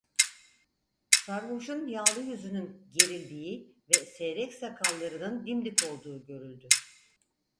Sarhoşun yağlı yüzünün gerildiği ve seyrek sakallarının dimdik olduğu görüldü.